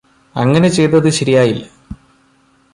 അങ്ങനെ ചെയ്തത് ശരിയായില്ല.